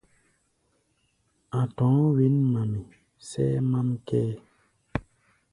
A̧ tɔ̧ɔ̧́ wěn-mami, sʼɛ́ɛ́ mám kʼɛ́ɛ́.